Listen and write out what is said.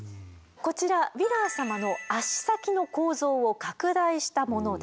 こちらヴィラン様の足先の構造を拡大したものです。